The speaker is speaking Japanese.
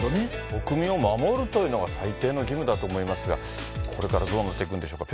お国を守るというのが最低の義務だと思いますが、これからどうなっていくんでしょうか。